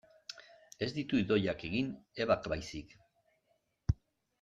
Ez ditu Idoiak egin, Ebak baizik.